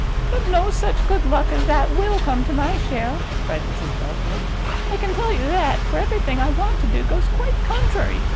"But no such good luck as that will come to my share," cried Mrs Belfield, "I can tell you that, for every thing I want to do goes quite contrary.